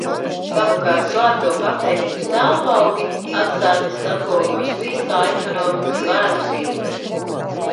Savukārt slēgto kafejnīcu telpaugi, atstāti skatlogos, vīst kā ekonomikas bēdu zīmes.